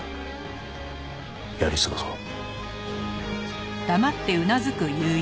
やり過ごそう。